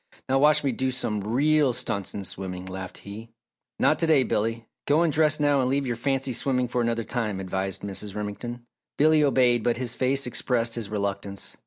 Now, watch me do some real stunts in swimming," laughed he. "Not to day, Billy. Go and dress now and leave your fancy swimming for another time," advised Mrs. Remington. Billy obeyed but his face expressed his reluctance.